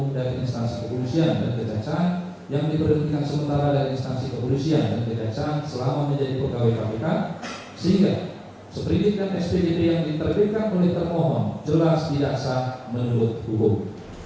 jadi yang diterbitkan penelitian paham jelas tidak sah menurut hubung